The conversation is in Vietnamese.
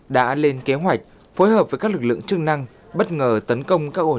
đã lên kế hoạch phối hợp với các lực lượng chức năng bất ngờ tấn công